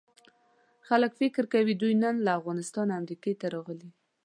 خلک فکر کوي دوی نن له افغانستانه امریکې ته راغلي.